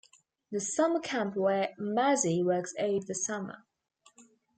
The summer camp where Maddie works over the summer.